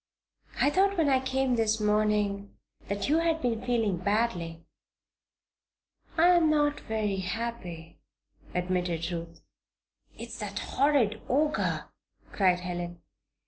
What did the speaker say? "I thought, when I came this morning, that you had been feeling badly." "I am not very happy," admitted Ruth. "It's that horrid Ogre!" cried Helen.